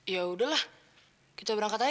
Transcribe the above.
yaudah lah kita berangkat aja